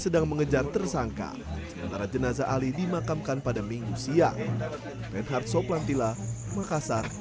sedang mengejar tersangka sementara jenazah ali dimakamkan pada minggu siang reinhard soplantila makassar